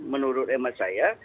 menurut emas saya